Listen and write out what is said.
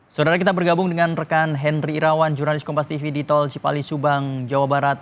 saudara kita bergabung dengan rekan henry irawan jurnalis kompas tv di tol cipali subang jawa barat